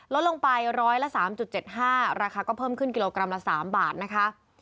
ลดลงไปร้อยละ๓๗๕ราคาก็เพิ่มขึ้นกิโลกรัมละ๓บาทนะคะ